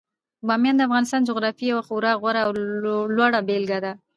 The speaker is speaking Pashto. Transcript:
بامیان د افغانستان د جغرافیې یوه خورا غوره او لوړه بېلګه ده.